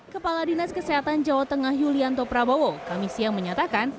kepala dinas kesehatan jawa tengah yulianto prabowo kami siang menyatakan